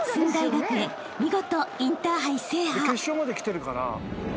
学園見事インターハイ制覇］